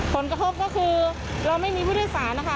ผลกระทบก็คือเราไม่มีผู้โดยสารนะคะ